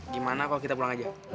gimana kalau kita pulang aja